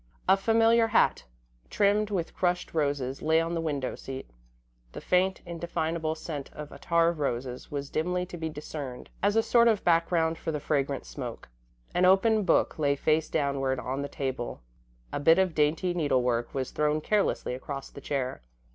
A familiar hat, trimmed with crushed roses, lay on the window seat. The faint, indefinable scent of attar of roses was dimly to be discerned as a sort of background for the fragrant smoke. An open book lay face downward on the table; a bit of dainty needlework was thrown carelessly across the chair.